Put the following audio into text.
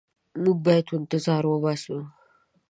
موږ باید انتظار وباسو.